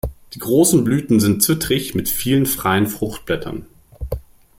Die großen Blüten sind zwittrig, mit vielen freien Fruchtblättern.